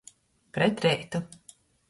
Pret reitu.